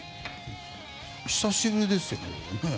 久しぶりですよね。